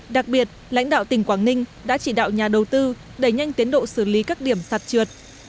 đặc biệt lãnh đạo tỉnh quảng ninh đã chỉ đạo nhà đầu tư đẩy nhanh tiến độ xử lý các điểm sạt trượt